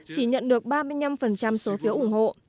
chỉ nhận được ba mươi năm số phiếu ủng hộ